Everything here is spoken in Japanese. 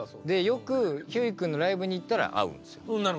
よくひゅーい君のライブに行ったら会うんですよ。